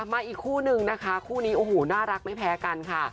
มาอีกคู่นึงนะคะคู่นี้โอ้โหน่ารักไม่แพ้กันค่ะ